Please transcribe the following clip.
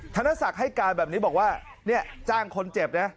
ธนศักดิ์ให้การแบบนี้บอกว่าเนี่ยจ้างคนเจ็บนะ